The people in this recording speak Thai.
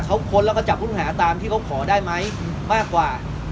เขาค้นแล้วก็จับผู้ต้องหาตามที่เขาขอได้ไหมมากกว่า